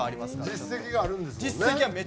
実績があるんですもんね？